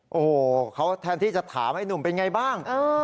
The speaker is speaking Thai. โอ้โหเขาแทนที่จะถามไอ้หนุ่มเป็นไงบ้าง